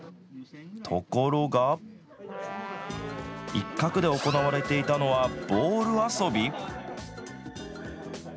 ところが、一角で行われていたのはボール遊び？